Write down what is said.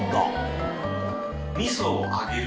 味噌を上げる」